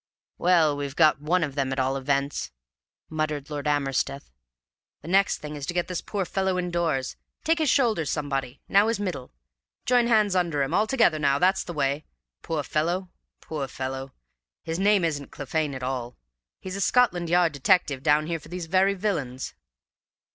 "Well, we've got one of them, at all events," muttered Lord Amersteth. "The next thing is to get this poor fellow indoors. Take his shoulders, somebody. Now his middle. Join hands under him. All together, now; that's the way. Poor fellow! Poor fellow! His name isn't Clephane at all. He's a Scotland Yard detective, down here for these very villains!"